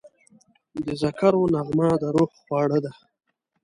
د ذکرو نغمه د روح خواړه ده.